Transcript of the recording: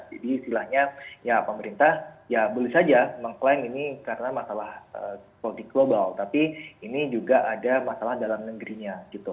jadi istilahnya ya pemerintah ya boleh saja mengklaim ini karena masalah politik global tapi ini juga ada masalah dalam negerinya gitu